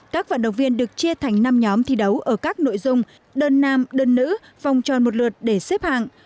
các vận động viên được chia thành năm nhóm thi đấu ở các nội dung đơn nam đơn nữ vòng tròn một lượt để xếp hạng